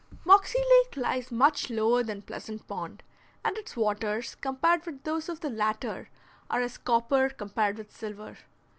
Moxie Lake lies much lower than Pleasant Pond, and its waters compared with those of the latter are as copper compared with silver.